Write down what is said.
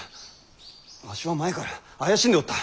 わしは前から怪しんでおった。